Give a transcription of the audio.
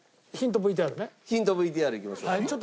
ヒントＶＴＲいきましょうか。